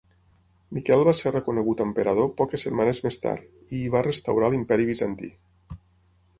Miquel va ser reconegut emperador poques setmanes més tard, i hi va restaurar l'imperi Bizantí.